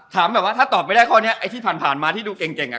ถามแบบว่าถ้าตอบไม่ได้ข้อเนี้ยไอ้ที่ผ่านผ่านมาที่ดูเก่งเก่งอ่ะ